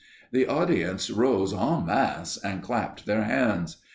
The audience rose en masse and clapped their hands.